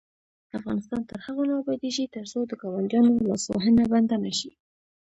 افغانستان تر هغو نه ابادیږي، ترڅو د ګاونډیانو لاسوهنه بنده نشي.